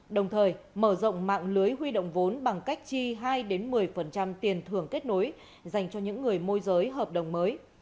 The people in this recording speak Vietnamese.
đồng thời mở rộng mạng lưới huy động vốn bằng cách chi hai một mươi tiền thưởng kết nối dành cho những người môi giới hợp đồng mới